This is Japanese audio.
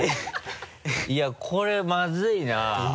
いやこれまずいな。